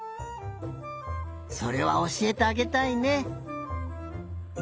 それはおしえてあげたいね。